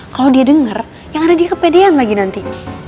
kalau dia denger yaudah dia kepedean lagi nanti